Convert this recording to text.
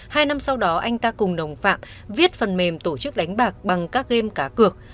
hai năm sau đó anh ta cùng đồng phạm viết phần mềm tổ chức đánh bạc bằng các game cá cược